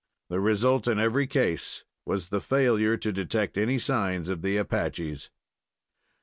The result in every case was the failure to detect any signs of the Apaches.